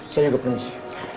saya juga permisi